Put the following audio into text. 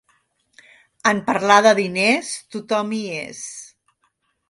En parlar de diners, tothom hi és.